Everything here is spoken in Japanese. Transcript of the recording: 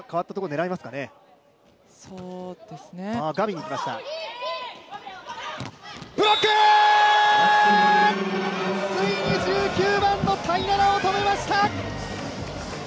ついに１９番のタイナラを止めました！